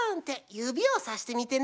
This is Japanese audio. ゆびをさしてみてね。